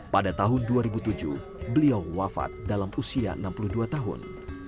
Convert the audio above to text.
pada tahun dua ribu tujuh beliau wafat dalam usia enam puluh dua tahun